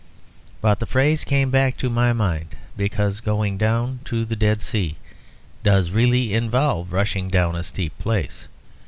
But the phrase came back into my mind because going down to the Dead Sea does really involve rushing down a steep place.